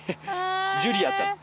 ジュリアちゃん。